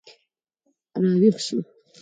راویښ شو